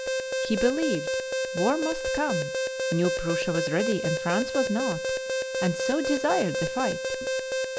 He believed war must come, knew Prussia was ready and France was not, and so desired the fight.